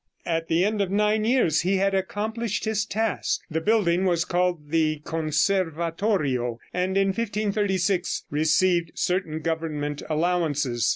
At the end of nine years he had accomplished his task. The building was called the Conservatorio, and in 1536 received certain government allowances.